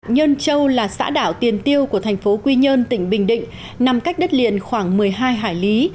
nhơn châu là xã đảo tiền tiêu của thành phố quy nhơn tỉnh bình định nằm cách đất liền khoảng một mươi hai hải lý